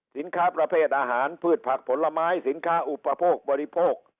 สินค้าประเภทอาหารพืชผักผลไม้สินค้าอุปโภคบริโภค